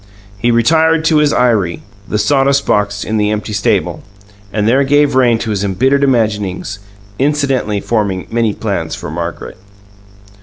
He retired to his eyry the sawdust box in the empty stable and there gave rein to his embittered imaginings, incidentally forming many plans for Margaret.